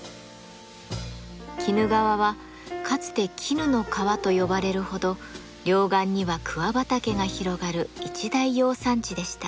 鬼怒川はかつて絹の川と呼ばれるほど両岸には桑畑が広がる一大養蚕地でした。